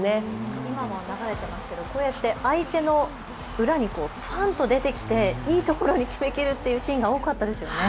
今も流れていますけれど相手の裏にパンと出てきていいところに決めきるというシーン多かったですよね。